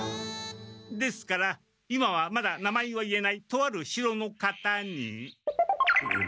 ですから今はまだ名前は言えないとある城の方に。